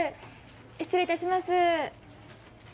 失礼いたします。